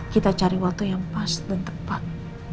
kita cari waktu yang pas dan tepat